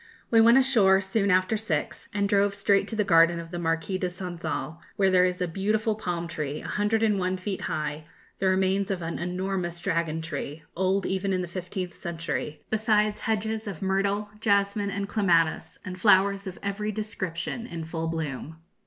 We went ashore soon after six, and drove straight to the garden of the Marquis de Sonzal, where there is a beautiful palm tree, 101 feet high, the remains of an enormous dragon tree, old even in the fifteenth century, besides hedges of myrtle, jasmine, and clematis, and flowers of every description in full bloom.